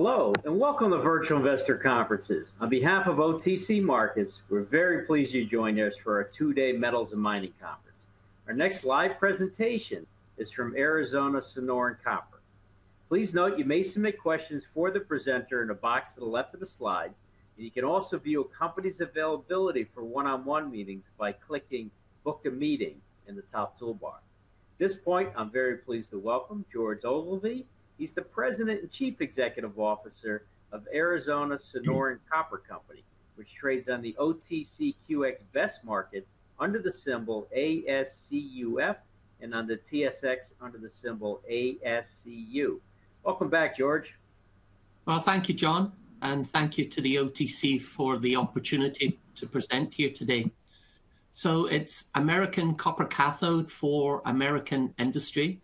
Hello and welcome to Virtual Investor Conferences on behalf of OTC Markets. We're very pleased you joined us for our two day Metals and Mining conference. Our next live presentation is from Arizona Sonoran Copper Company. Please note, you may submit questions for the presenter in the box to the left of the slides and you can also view a company's availability for one-one meetings by clicking Book a Meeting in the top toolbar. At this point I'm very pleased to welcome George Ogilvie. He's the President and Chief Executive Officer of Arizona Sonoran Copper Company which trades on the OTCQX Best Market under the symbol ASCUF and on the TSX under the symbol ASCU. Welcome back George. Thank you, John, and thank you to the OTC for the opportunity to present here today. It's American Copper Cathode for American industry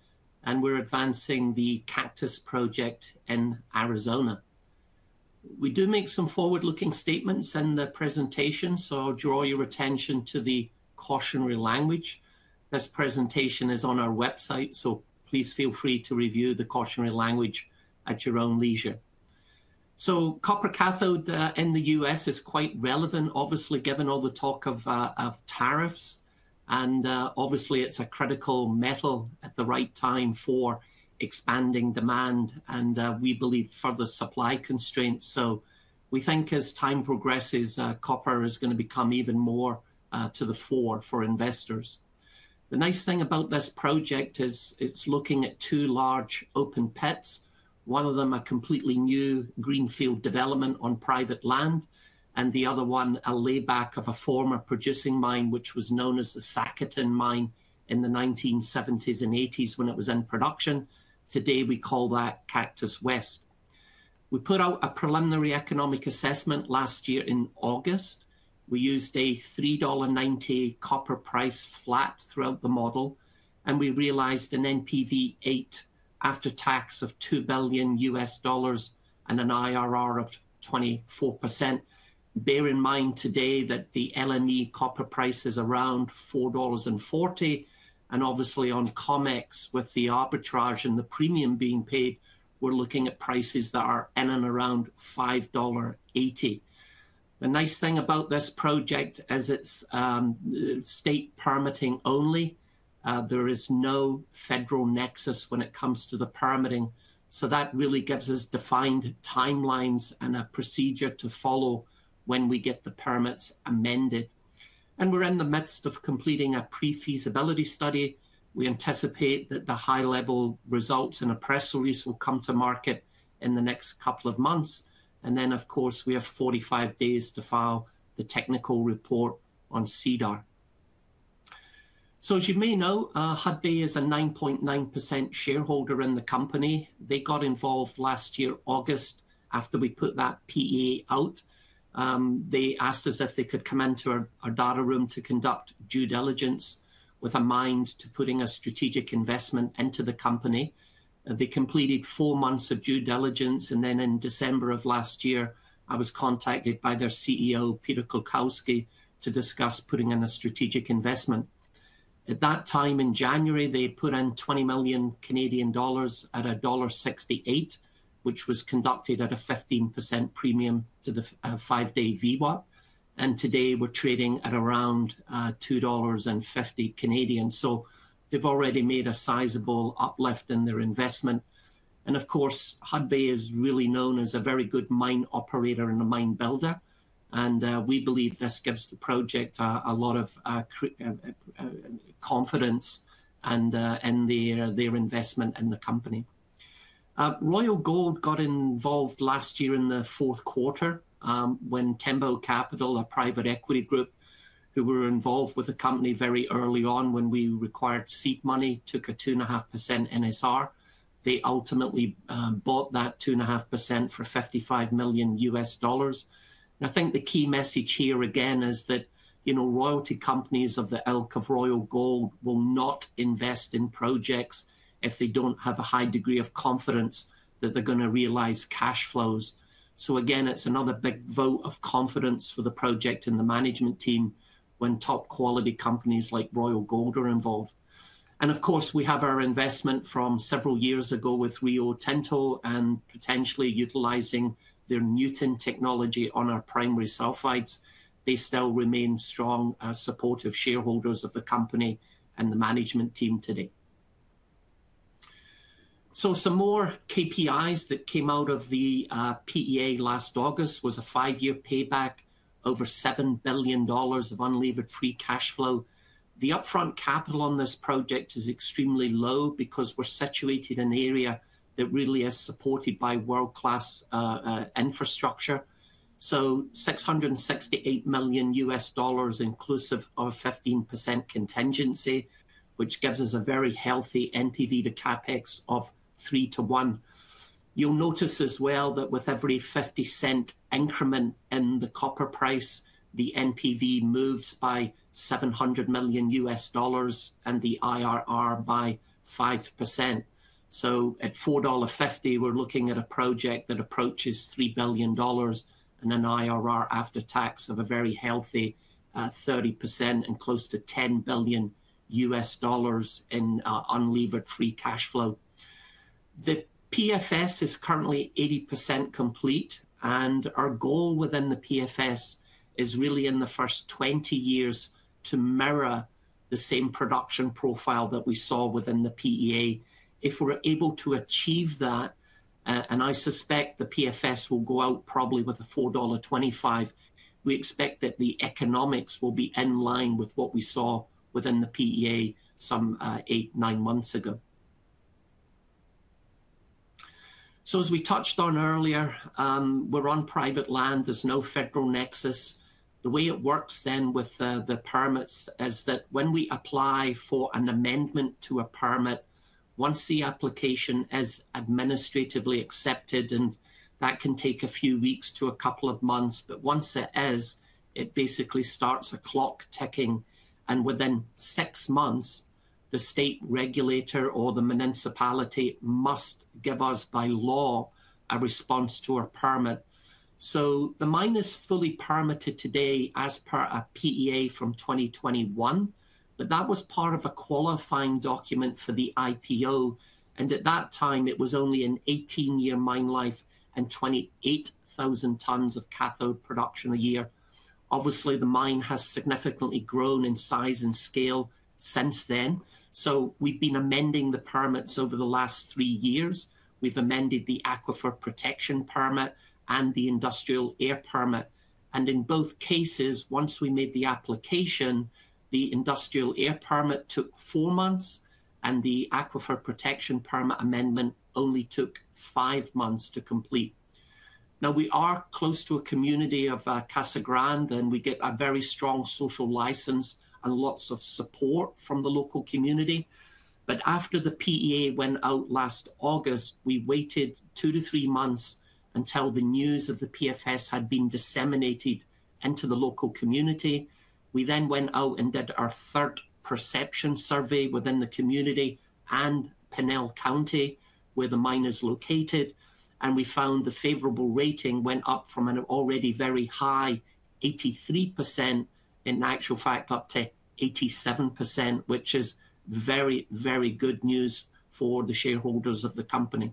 and we're advancing the Cactus Project in Arizona. We do make some forward-looking statements in the presentation, so I'll draw your attention to the cautionary language. This presentation is on our website, so please feel free to review the cautionary language at your own leisure. Copper Cathode in the U.S. is quite relevant obviously given all the talk of tariffs and obviously it's a critical metal at the right time for expanding demand and we believe further supply constraints. We think as time progresses, copper is going to become even more to the fore for investors. The nice thing about this project is it's looking at two large open pits, one of them a completely new greenfield development on private land and the other one a layback of a former producing mine which was known as the Sacaton Mine in the 1970s and 1980s when it was in production. Today, we call that Cactus West. We put out a preliminary economic assessment last year in August. We used a $3.90 copper price flat throughout the model and we realized an NPV8 after-tax of $2 billion and an IRR of 24%. Bear in mind today that the LME copper price is around $4.40 and on COMEX with the arbitrage and the premium being paid, we're looking at prices that are in and around $5.80. The nice thing about this project is it's state permitting only, there is no federal nexus when it comes to the permitting. That really gives us defined timelines and a procedure to follow when we get the permits amended and we're in the midst of completing a pre-feasibility study. We anticipate that the high-level results in a press release will come to market in the next couple of months. We have 45 days to file the technical report on SEDAR. As you may know, Hudbay is a 9.9% shareholder in the company. They got involved last year, August, after we put that PEA out, they asked us if they could come into our data room to conduct due diligence with a mind to putting a strategic investment into the company. They completed four months of due diligence and then in December of last year, I was contacted by their CEO Peter Kukielski to discuss putting in a strategic investment at that time. In January, they put in 20 million Canadian dollars at $1.68, which was conducted at a 15% premium to the five-day VWAP. Today we're trading at around 2.50 Canadian dollars. They've already made a sizable uplift in their investment. Hudbay is really known as a very good mine-operator and a mine-builder, and we believe this gives the project a lot of confidence. Their investment in the company, Royal Gold got involved last year in the fourth quarter when Tembo Capital, a private equity group who were involved with the company very early on when we required seed money, took a 2.5% NSR. They ultimately bought that 2.5% for $55 million. I think the key message here again is that royalty companies of the ilk of Royal Gold will not invest in projects if they don't have a high degree of confidence that they're going to realize cash flows. It's another big vote of confidence for the project and the management team when top quality companies like Royal Gold are involved. We have our investment from several years ago with Rio Tinto and potentially utilizing their NEWTON technology on our primary sulfides. They still remain strong supportive shareholders of the company and the management team today. Some more KPIs that came out of the PEA last August was a five-year payback, over $7 billion of unlevered free cash flow. The upfront capital on this project is extremely low because we're situated in an area that really is supported by world-class infrastructure. $668 million inclusive of 15% contingency, which gives us a very healthy NPV to CapEx of 3 to 1. You'll notice as well that with every $0.50 increment in the copper price, the NPV moves by $700 million and the IRR by 5%. At $4.50 we're looking at a project that approaches $3 billion and an IRR after - tax of a very healthy 30% and close to $10 billion in unleavened free cash flow. The PFS is currently 80% complete. Our goal within the PFS is really, in the first 20 years, to mirror the same production profile that we saw within the PEA. If we're able to achieve that, and I suspect the PFS will go out probably with a $4.25, we expect that the economics will be in line with what we saw within the PEA some eight, nine months ago. As we touched on earlier, we're on private land. There's no federal nexus. The way it works then with the permits is that when we apply for an amendment to a permit, once the application is administratively accepted, and that can take a few weeks to a couple of months, but once it is, it basically starts a clock ticking and within six months the state regulator or the municipality must give us by law a response to our permit. The mine is fully permitted today as per a PEA from 2021. That was part of a qualifying document for the IPO and at that time it was only an 18 year mine life and 28,000 tons of cathode production a year. Obviously, the mine has significantly grown in size and scale since then. We have been amending the permits over the last three years. We have amended the aquifer protection permit and the industrial air permit. In both cases, once we made the application, the industrial air permit took four months and the aquifer protection permit amendment only took five months to complete. We are close to a community of Casa Grande and we get a very strong social license and lots of support from the local community. After the PEA went out last August, we waited two to three months until the news of the PFS had been disseminated into the local community. We then went out and did our third perception survey within the community and Pinal County where the mine is located. We found the favorable rating went up from an already very high 83% in actual fact up to 87%, which is very, very good news for the shareholders of the company.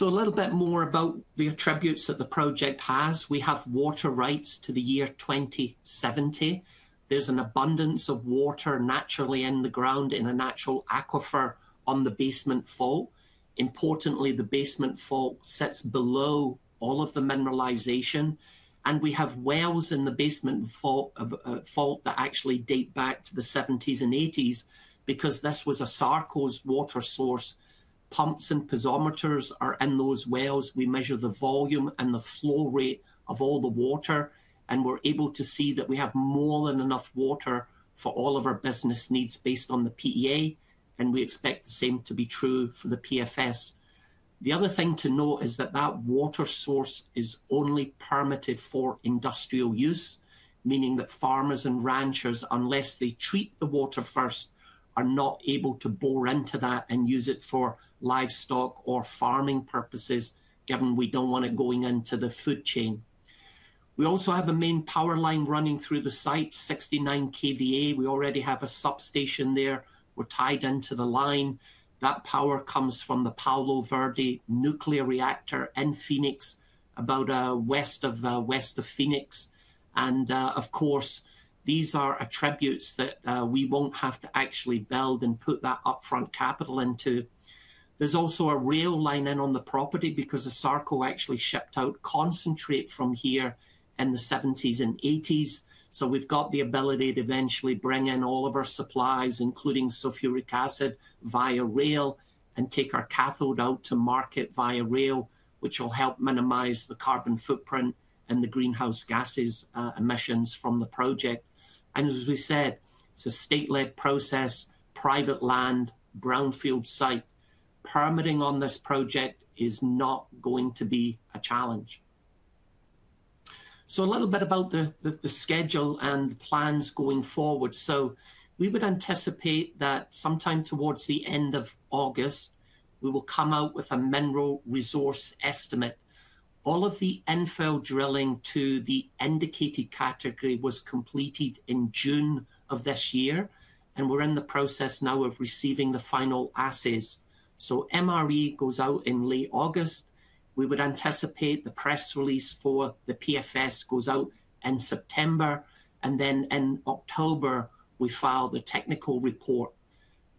A little bit more about the attributes that the project has. We have water rights to the year 2070. There is an abundance of water naturally in the ground in a natural aquifer on the basement fault. Importantly, the basement fault sits below all of the mineralization and we have wells in the basement fault that actually date back to the 1970s and 1980s. Because this was a ASARCO water source, pumps and piezometer's are in those wells. We measure the volume and the flow rate of all the water and we're able to see that we have more than enough water for all of our business needs based on the PEA. We expect the same to be true for the PFS. The other thing to note is that that water source is only permitted for industrial use, meaning that farmers and ranchers, unless they treat the water first, are not able to bore into that and use it for livestock or farming purposes given we don't want it going into the food chain. We also have a main power line running through the site, 69 kV. We already have a substation there, we're tied into the line. That power comes from the Palo Verde Nuclear Generating Station in Phoenix, about west of Phoenix. These are attributes that we won't have to actually build and put that upfront capital into. There's also a rail line in on the property because ASARCO actually shipped out concentrate from here in the 1970s and 1980s. We've got the ability to eventually bring in all of our supplies, including sulfuric acid via rail, and take our cathode out to market via rail, which will help minimize the carbon footprint and the greenhouse gas emissions from the project. It's a state-led process. Private land, brownfield site, permitting on this project is not going to be a challenge. A little bit about the schedule and plans going forward. We would anticipate that sometime towards the end of August we will come out with a mineral resource estimate. All of the infill drilling to the indicated category was completed in June of this year, and we're in the process now of receiving the final assays. MRE goes out in late August. We would anticipate the press release for the PFS goes out in September, and then in October we file the technical report.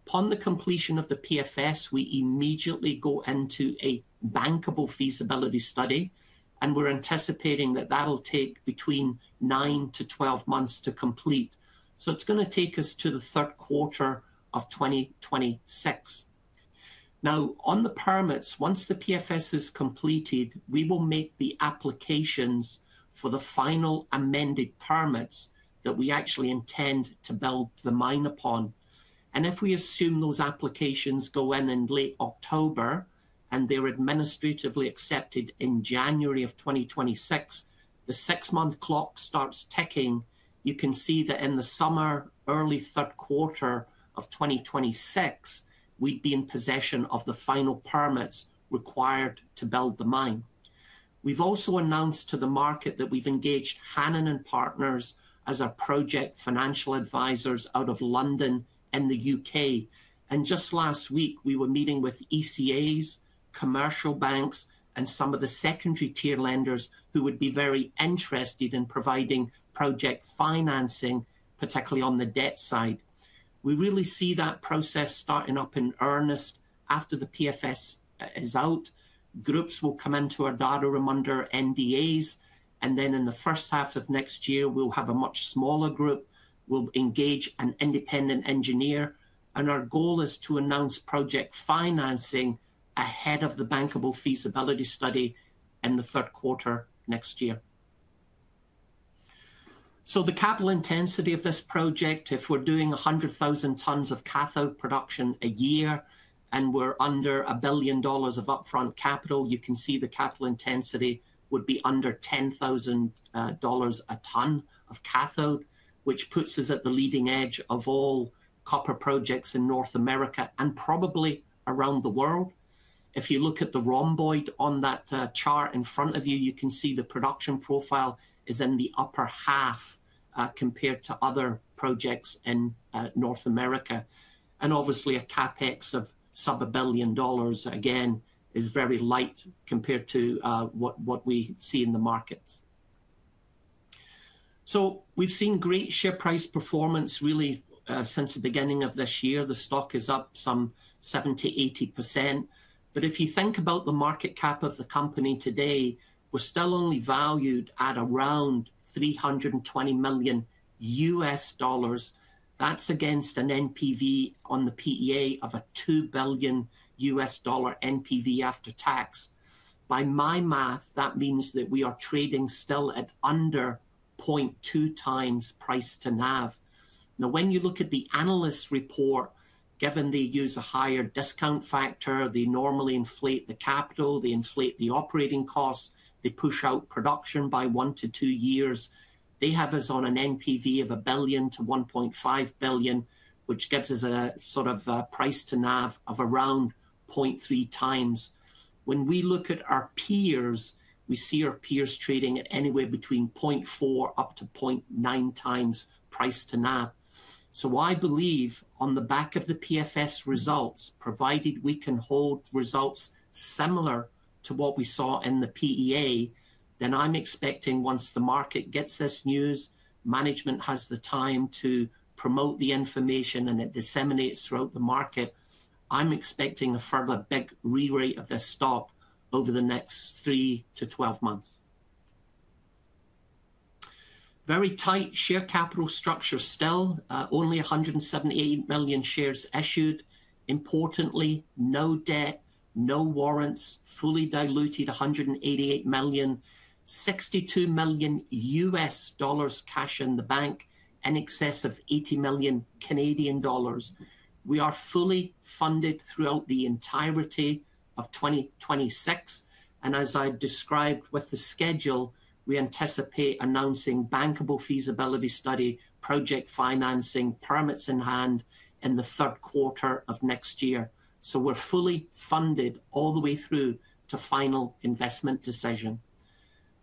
Upon the completion of the PFS, we immediately go into a bankable feasibility study, and we're anticipating that that'll take between nine to twelve months to complete. It's going to take us to the third quarter of 2026. Now on the permits, once the PFS is completed, we will make the applications for the final amended permits that we actually intend to build the mine upon. If we assume those applications go in in late October and they're administratively accepted in January of 2026, the six-month clock starts ticking. You can see that in the summer, early third quarter of 2026, we'd be in possession of the final permits required to build the mine. We've also announced to the market that we've engaged Hahn & Partners as our project financial advisors out of London and the U. K.. Just last week we were meeting with ECAs, commercial banks, and some of the secondary tier lenders who would be very interested in providing project financing, particularly on the debt side. We really see that process starting up in earnest. After the PFS is out, groups will come into our data room under NDAs and then in the first half of next year we'll have a much smaller group, we'll engage an independent engineer and our goal is to announce project financing ahead of the bankable feasibility study in the third quarter next year. The capital intensity of this project, if we're doing 100,000 tons of cathode production a year and we're under $1 billion of upfront capital, you can see the capital intensity would be under $10,000 a ton of cathode, which puts us at the leading edge of all copper projects in North America and probably around the world. If you look at the rhomboid on that chart in front of you, you can see the production profile is in the upper half compared to other projects in North America. A CapEx of sub $1 billion again is very light compared to what we see in the markets. We've seen great share price performance really since the beginning of this year. The stock is up some 70, 80%. If you think about the market cap of the company today, we're still only valued at around $320 million. That's against an NPV on the PEA of a $2 billion NPV after tax. By my math that means that we are trading still at under 0.2 times price to NAV. Now when you look at the analysts report, given they use a higher discount factor, they normally inflate the capital, they inflate the operating costs, they push out production by one to two years. They have us on an NPV of $1 billion - $1.5 billion, which gives us a sort of price to NAV of around 0.3 times. When we look at our peers, we see our peers trading at anywhere between 0.4 up to 0.9 times price to NAV. I believe on the back of the PFS results, provided we can hold results similar to what we saw in the PEA, then I'm expecting once the market gets this news, management has the time to promote the information and it disseminates throughout the market. I'm expecting a further big rewrite of this stock over the next three to 12 months. Very tight share capital structure. Still only 178 million shares issued. Importantly, no debt, no warrants, fully diluted $188 million, $62 million cash in the bank, in excess of 80 million Canadian dollars. We are fully funded throughout the entirety of 2026 and as I described with the schedule, we anticipate announcing bankable feasibility study project financing permits in hand in the third quarter of next year. We're fully funded all the way through to final investment decision.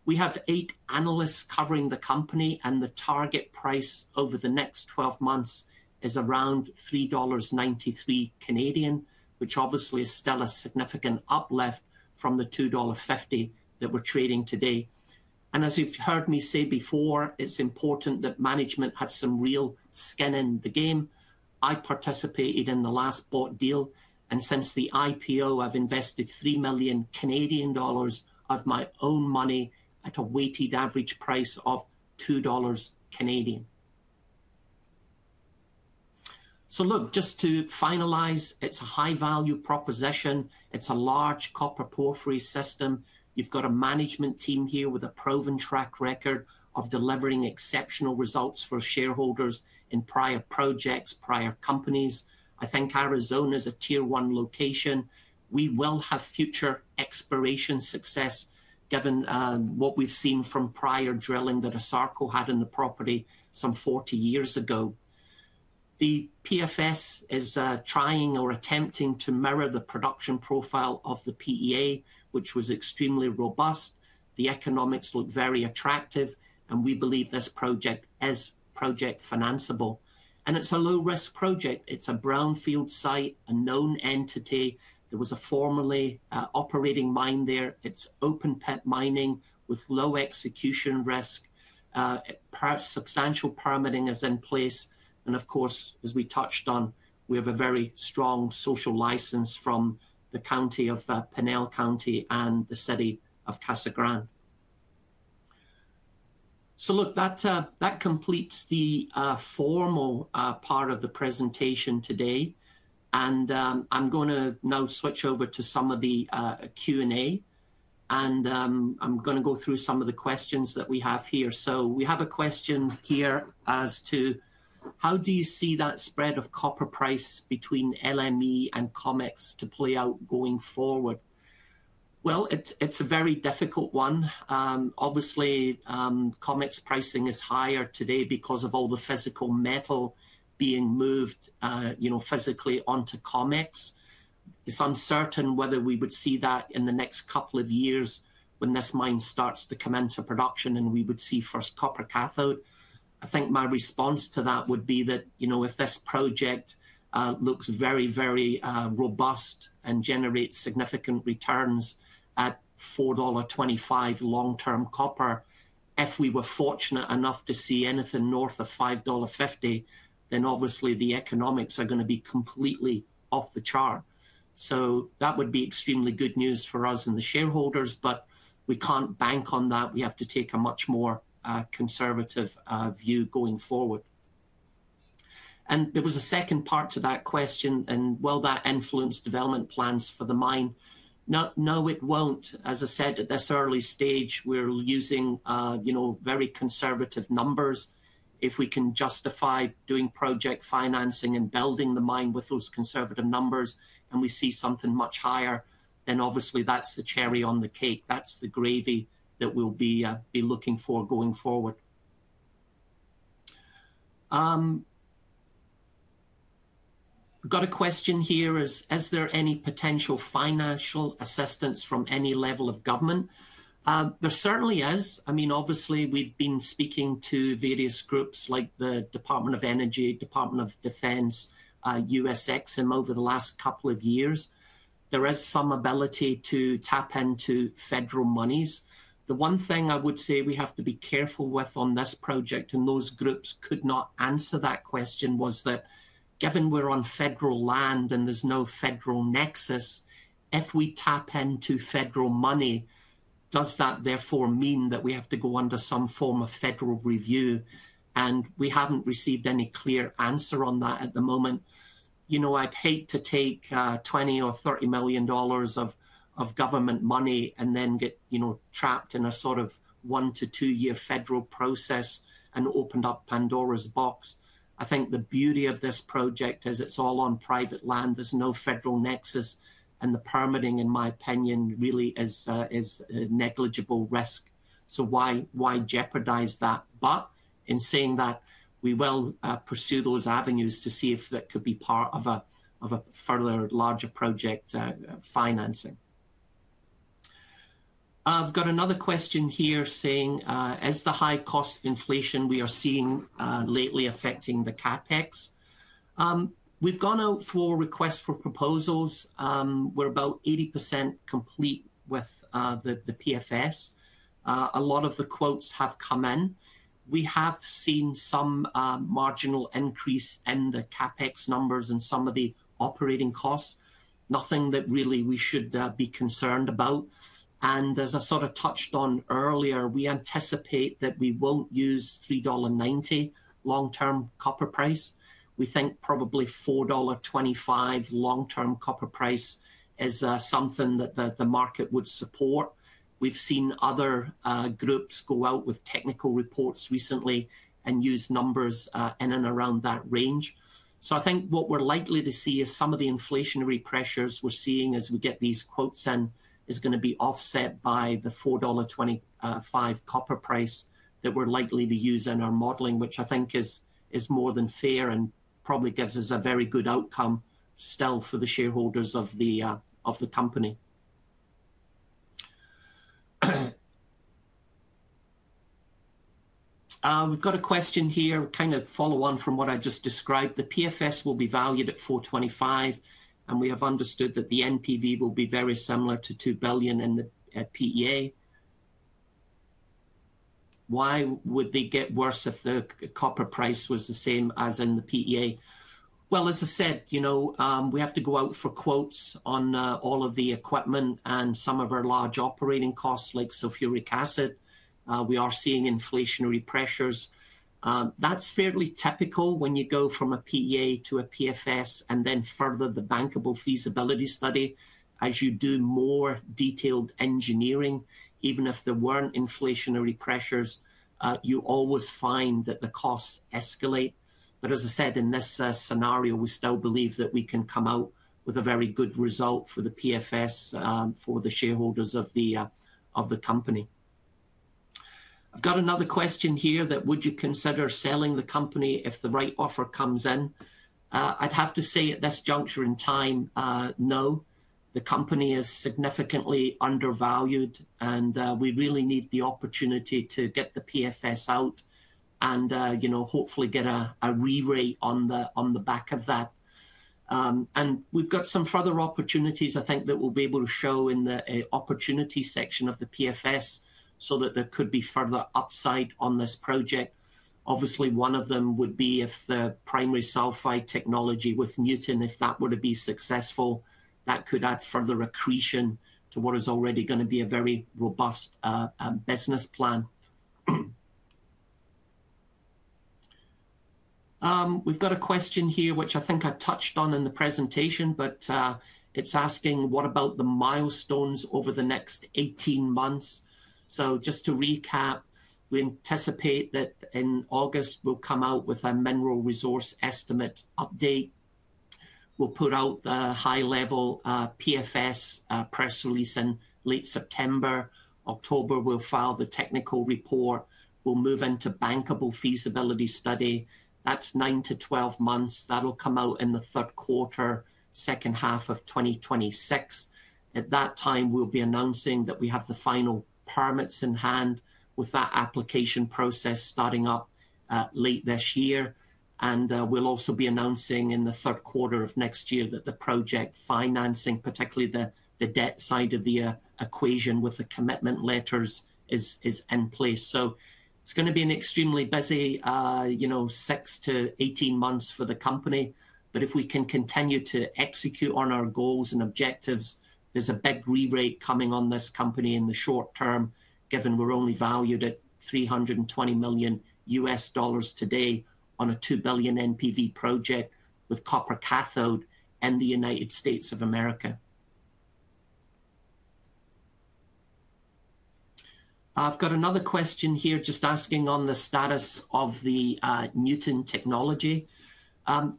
We have eight analysts covering the company and the target price over the next 12 months is around 3.93 Canadian dollars, which obviously is still a significant uplift from the $2.50 that we're trading today. As you've heard me say before, it's important that management have some real skin in the game. I participated in the last bought deal and since the IPO I've invested 3 million Canadian dollars of my own money at a weighted average price of 2 dollars. Just to finalize, it's a high value proposition. It's a large copper porphyry system. You've got a management team here with a proven track record of delivering exceptional results for shareholders in prior projects, prior companies. I think Arizona is a tier-one location. We will have future exploration success given what we've seen from prior drilling that ASARCO had in the property some 40 years ago. The PFS is trying or attempting to mirror the production profile of the PEA, which was extremely robust. The economics look very attractive and we believe this project is project financeable and it's a low risk project. It's a brownfield site, a known entity. There was a formerly operating mine there. It's open pit mining with low execution risk. Substantial permitting is in place and of course, as we touched on, we have a very strong social license from the county of Pinal County and the city of Casa Grande. That completes the formal part of the presentation today and I'm going to now switch over to some of the Q&A and I'm going to go through some of the questions that we have here. We have a question here as to how do you see that spread of copper price between LME and COMEX to play out going forward? It's a very difficult one. Obviously COMEX pricing is higher today because of all the physical metal being moved physically onto COMEX. It's uncertain whether we would see that in the next couple of years when this mine starts to come into production. We would see first Copper Cathode. I think my response to that would be that if this project looks very, very robust and generates significant returns at $4.25 long term copper, if we were fortunate enough to see anything north of $5.50, then obviously the economics are going to be completely off the chart. That would be extremely good news for us and the shareholders. We can't bank on that. We have to take a much more conservative view going forward. There was a second part to that question: will that influence development plans for the mine? No, it won't. As I said at this early stage, we're using very conservative numbers. If we can justify doing project financing and building the mine with those conservative numbers and we see something much higher, then obviously that's the cherry on the cake, that's the gravy that we'll be looking for going forward. Got a question here. Is there any potential financial assistance from any level of government? There certainly is. I mean obviously we've been speaking to various groups like the Department of Energy, Department of Defense, USX, and over the last couple of years there is some ability to tap into federal monies. The one thing I would say we have to be careful with on this project, and those groups could not answer that question, was that given we're on federal land and there's no federal nexus, if we tap into federal money, does that therefore mean that we have to go under some form of federal review? We haven't received any clear answer on that at the moment. I'd hate to take $20 million or $30 million of government money and then get, you know, trapped in a sort of one to two year federal process and opened up Pandora's box. I think the beauty of this project is it's all on private land, there's no federal nexus and the permitting in my opinion really is a negligible risk. Why jeopardize that? In saying that, we will pursue those avenues to see if that could be part of a further larger project financing. I've got another question here saying is the high cost inflation we are seeing lately affecting the CapEx. We've gone out for requests for proposals. We're about 80% complete with the PFS. A lot of the quotes have come in. We have seen some marginal increase in the CapEx numbers and some of the operating costs. Nothing that really we should be concerned about. As I sort of touched on earlier, we anticipate that we won't use table $3.90 long term. Copper price, we think probably $4.25. Long term copper price is something that the market would support. We've seen other groups go out with technical reports recently and use numbers in and around that range. I think what we're likely to see is some of the inflationary pressures we're seeing as we get these quotes in is going to be offset by the $4.20 copper price that we're likely to use in our modeling, which I think is more than fair and probably gives us a very good outcome still for the shareholders of the company. We've got a question here, kind of follow on from what I've just described. The PFS will be valued at $4.25 and we have understood that the NPV will be very similar to $2 billion and the at PEA. Why would they get worse if their copper price was the same as in the PEA? As I said, we have to go out for quotes on all of the equipment and some of our large operating costs like sulfuric acid. We are seeing inflationary pressures. That's fairly typical when you go from a PEA to a PFS and then further the bankable feasibility study as you do more detailed engineering. Even if there weren't inflationary pressures, you always find that the costs escalate. As I said, in this scenario we still believe that we can come out with a very good result for the PFS, for the shareholders of the company. I've got another question here that would you consider selling the company if the right offer comes in? I'd have to say at this juncture in time, no. The company is significantly undervalued and we really need the opportunity to get the PFS out and hopefully get a re-rate on the back of that. We've got some further opportunities. I think that we'll be able to show in the opportunity section of the PFS so that there could be further upside on this project. Obviously one of them would be if the primary sulfide technology with NEWTON, if that were to be successful, that could add further accretion to what is already going to be a very robust business plan. We've got a question here which I think I touched on in the presentation, but it's asking what about the milestones over the next 18 months. Just to recap, we anticipate that in August we'll come out with a mineral resource estimate update. We'll put out the high level PFS press release in late September. October we'll file the technical report. We'll move into bankable feasibility study. That's nine to 12 months. That'll come out in the third quarter, second half of 2026. At that time we'll be announcing that we have the final permits in hand with that application process starting up late this year. We will also be announcing in the third quarter of next year that the project financing, particularly the debt side of the equation with the commitment letters, is in place. It is going to be an extremely busy six - 18 months for the company. If we can continue to execute on our goals and objectives, there is a big re-rate coming on this company in the short-term. Given we're only valued at $320 million today on a $2 billion NPV project with Copper Cathodes and the United States of America. I've got another question here just asking on the status of the NEWTON technology.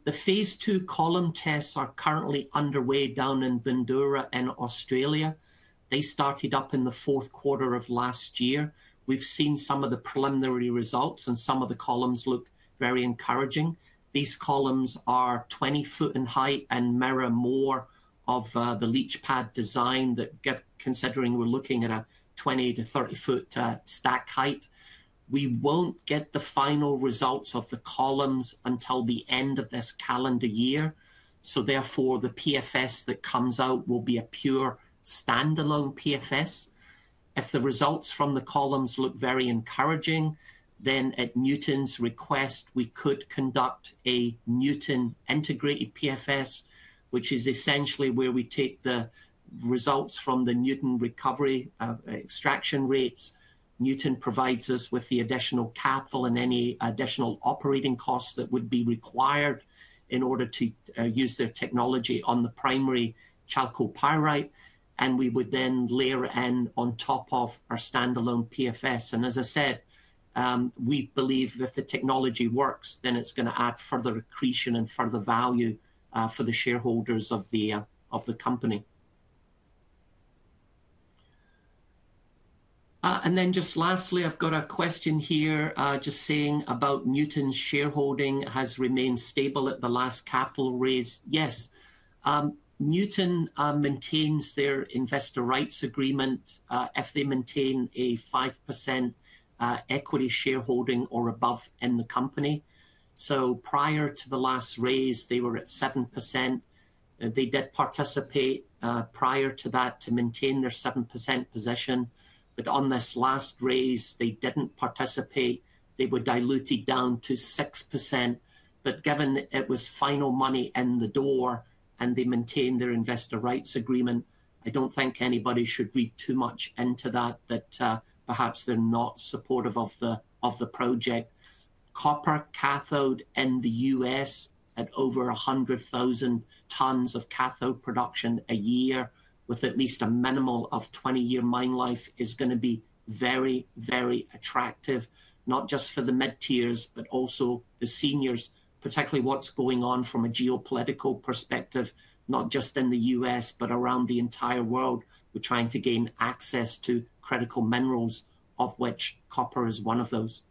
The phase two column tests are currently underway down in Bandura in Australia. They started up in the fourth quarter of last year. We've seen some of the preliminary results and some of the columns look very encouraging. These columns are 20 foot in height and mirror more of the leach pad design. Considering we're looking at a 20 - 30 foot stack height, we won't get the final results of the columns until the end of this calendar year. Therefore, the PFS that comes out will be a pure standalone PFS. If the results from the columns look very encouraging, then at NEWTON's request we could conduct a NEWTON integrated PFS, which is essentially where we take the results from the NEWTON recovery extraction rates. NEWTON provides us with the additional capital and any additional operating costs that would be required in order to use their technology on the primary chalcopyrite, and we would then layer in on top of our standalone PFS. As I said, we believe if the technology works then it's going to add further accretion and further value for the shareholders of the company. Lastly, I've got a question here just saying about NEWTON's shareholding has remained stable at the last capital raised? Yes, NEWTON maintains their investor rights agreement if they maintain a 5% equity shareholding or above in the company. Prior to the last raise they were at 7%. They did participate prior to that to maintain their 7% position. On this last raise they didn't participate. They were diluted down to 6%. Given it was final money in the door and they maintained their investor rights agreement, I don't think anybody should read too much into that, perhaps they're not supportive of the project Copper Cathode in the U.S. at over 100,000 tons of cathode production a year with at least a minimum of 20-year mine life is going to be very, very attractive not just for the mid tiers but also the seniors, particularly with what's going on from a geopolitical perspective not just in the U.S. but around the entire world. We're trying to gain access to critical minerals, of which copper is one of those.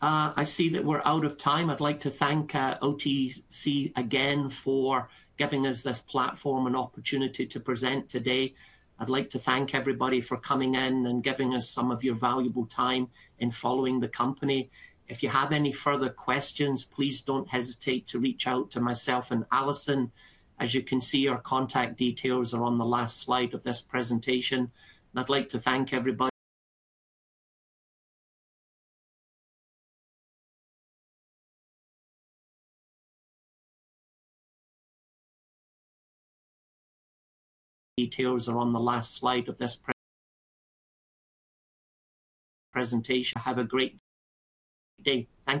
I see that we're out of time. I'd like to thank OTC again for giving us this platform and opportunity to present today. I'd like to thank everybody for coming in and giving us some of your valuable time in following the company. If you have any further questions, please don't hesitate to reach out to myself and Alison. As you can see, our contact details are on the last slide of this presentation. I'd like to thank everybody. Details are on the last slide of this presentation. Have a great day. Thank you.